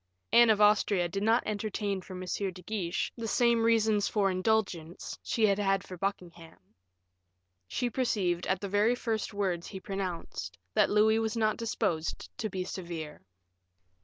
Anne of Austria did not entertain for M. de Guiche the same reasons for indulgence she had had for Buckingham. She perceived, at the very first words he pronounced, that Louis was not disposed to be severe.